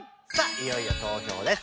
いよいよ投票です。